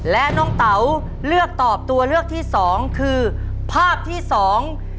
และน้องเต๋าเลือกตอบตัวเลือกที่สองคือภาพที่สอง